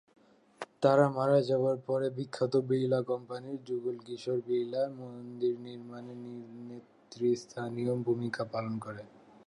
তার মারা যাবার পরে বিখ্যাত বিড়লা কোম্পানির যুগল কিশোর বিড়লা মন্দির নির্মাণে নেতৃস্থানীয় ভূমিকা পালন করেন।